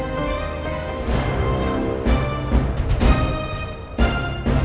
petunjuk apa mas